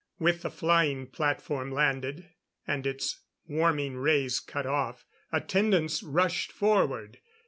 With the flying platform landed, and its warming rays cut off, attendants rushed forward.